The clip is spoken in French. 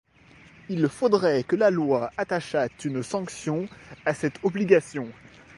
Il faudrait que la loi attachât une sanction à cette obligation.